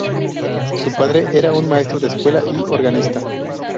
Su padre era un maestro de escuela y organista.